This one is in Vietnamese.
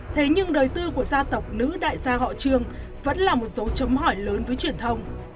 thế nhưng đời tư của gia tộc nữ đại gia họ trương vẫn là một dấu chấm hỏi lớn với truyền thông